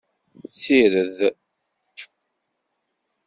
Sired!